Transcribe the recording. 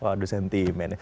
waduh sentimen ya